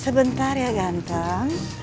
sebentar ya ganteng